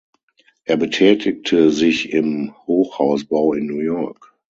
Er betätigte sich im Hochhausbau in New York.